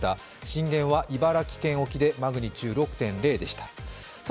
震源は茨城県沖でマグニチュード６．０でした。